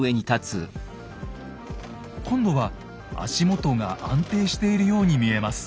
今度は足元が安定しているように見えます。